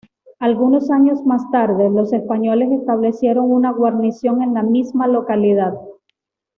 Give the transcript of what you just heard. Algunos años más tarde, los españoles establecieron una guarnición en la misma localidad.